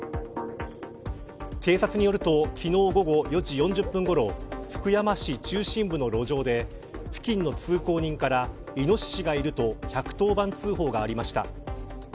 警察によると昨日午後４時４０分ごろ福山市中心部の路上で付近の通行人からイノシシがいると１１０番通報がありました。